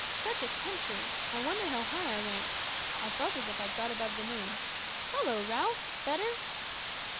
Such a country! I wonder how high I went. I felt as if I'd got above the moon. Hollo, Ralph! better?"